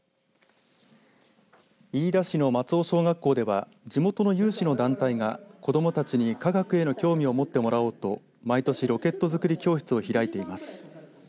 飯田市の松尾小学校では地元の有志の団体が子どもたちに科学への興味を持ってもらおうと毎年ロケット作り教室を開いています。